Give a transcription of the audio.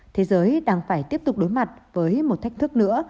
thế giới đang phải tiếp tục đối mặt với một thách thức nữa